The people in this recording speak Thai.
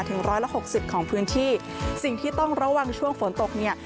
ถึงร้อยละหกสิบของพื้นที่สิ่งที่ต้องระวังช่วงฝนตกเนี่ย